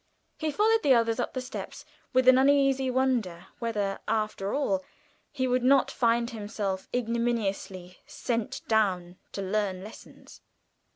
He followed the others up the steps with an uneasy wonder whether, after all, he would not find himself ignominiously set down to learn lessons.